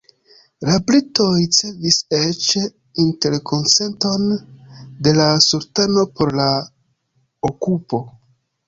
La britoj ricevis eĉ "interkonsenton” de la sultano por la okupo.